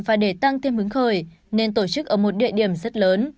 và để tăng thêm hứng khởi nên tổ chức ở một địa điểm rất lớn